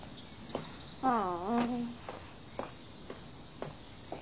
ああ。